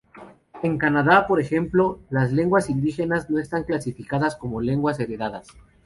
En Canadá, por ejemplo, las lenguas indígenas no están clasificadas como lenguas heredadas.